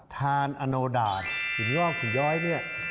ทานอโนดาตหินโรคหินร้อย